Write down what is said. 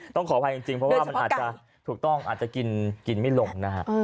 ต้องขออภัยจริงเพราะว่ามันอาจจะกินไม่ลงนะครับ